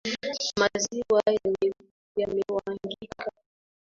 Maziwa yamemwagika.